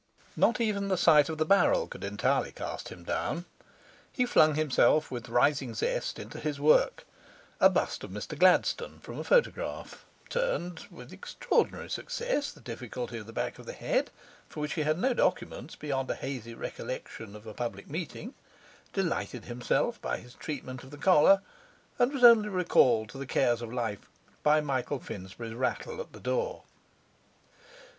Not even the sight of the barrel could entirely cast him down. He flung himself with rising zest into his work a bust of Mr Gladstone from a photograph; turned (with extraordinary success) the difficulty of the back of the head, for which he had no documents beyond a hazy recollection of a public meeting; delighted himself by his treatment of the collar; and was only recalled to the cares of life by Michael Finsbury's rattle at the door.